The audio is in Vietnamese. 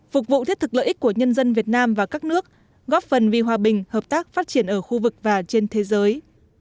phục vụ thiết thực lợi ích của nhân dân việt nam và các nước góp phần vì hòa bình hợp tác phát triển ở khu vực và trên thế giới